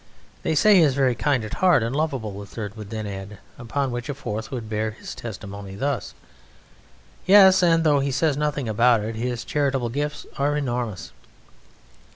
"They say he is very kind at heart and lovable," a third would then add, upon which a fourth would bear his testimony thus: "Yes, and though he says nothing about it, his charitable gifts are enormous."